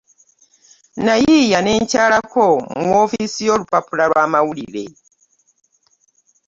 Nayiiya ne nkyalako mu woofiisi y'olupapula lw'amawulire.